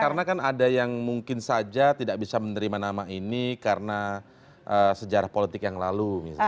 karena kan ada yang mungkin saja tidak bisa menerima nama ini karena sejarah politik yang lalu